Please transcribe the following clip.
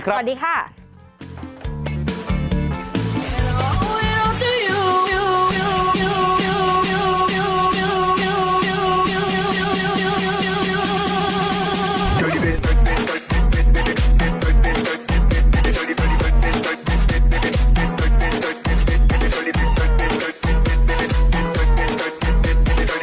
ขนมตาล